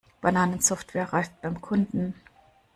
Bananensoftware reift beim Kunden.